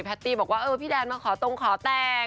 ตี้บอกว่าเออพี่แดนมาขอตรงขอแต่ง